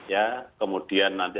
ya kemudian nanti